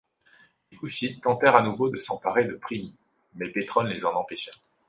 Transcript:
Les Koushites tentèrent à nouveau de s'emparer de Primis, mais Pétrone les en empêcha.